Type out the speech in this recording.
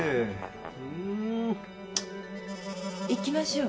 行きましょう。